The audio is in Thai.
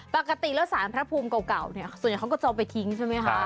ปกติแล้วสารพระภูมิเก่าเนี่ยส่วนใหญ่เขาก็จะเอาไปทิ้งใช่ไหมคะ